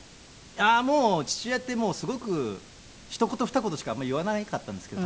いやもう父親ってすごくひと言ふた言しかあんまり言わなかったんですけど。